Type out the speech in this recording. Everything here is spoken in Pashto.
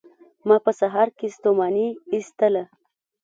ما په سهار کې ستوماني ایستله